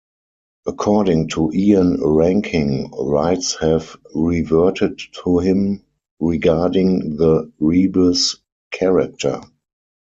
According to Ian Rankin, rights have reverted to him regarding the Rebus character.